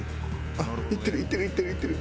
あっいってるいってるいってるいってる。